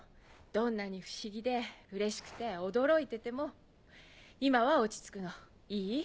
どんなに不思議でうれしくて驚いてても今は落ち着くのいい？